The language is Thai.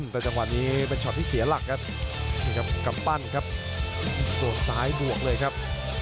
แต่จังหวะนี้เป็นช็อตที่เสียหลักครับนี่ครับกำปั้นครับส่วนซ้ายบวกเลยครับ